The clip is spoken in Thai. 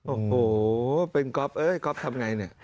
โอ้โหเป็นกรอบเอ้ยกรอบทำยังไงเนี่ย